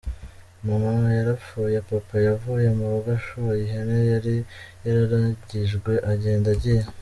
Mama yarapfuye, Papa yavuye mu rugo ashoye ihene yari yararagijwe, agenda agiye.